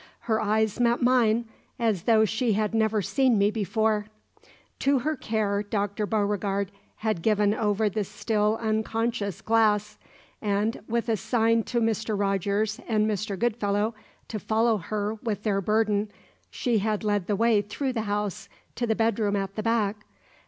Her eyes met mine as though she had never seen me before. To her care Dr. Beauregard had given over the still unconscious Glass, and, with a sign to Mr. Rogers and Mr. Goodfellow to follow her with their burden, she had led the way through the house to the bedroom at the back.